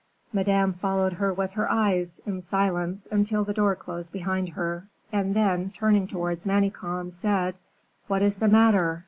Madame followed her with her eyes, in silence, until the door closed behind her, and then, turning towards Manicamp, said, "What is the matter?